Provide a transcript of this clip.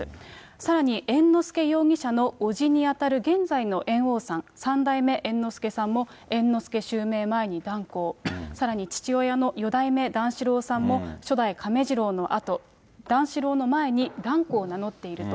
さらに猿之助容疑者の伯父に当たる現在の猿翁さん、三代目猿之助さんも猿之助襲名前に、團子を、さらに父親の四代目段四郎さんも、初代亀治郎のあと、段四郎の前に團子を名乗っていると。